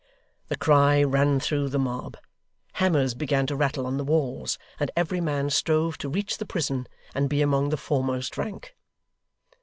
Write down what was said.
The cry ran through the mob. Hammers began to rattle on the walls; and every man strove to reach the prison, and be among the foremost rank.